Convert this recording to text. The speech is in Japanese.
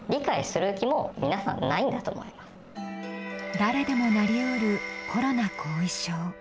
誰でもなり得るコロナ後遺症。